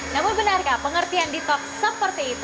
namun benarkah pengertian ditok seperti itu